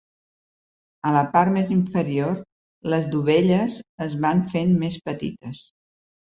A la part més inferior, les dovelles es van fent més petites.